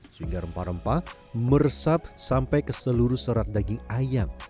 sehingga rempah rempah meresap sampai ke seluruh serat daging ayam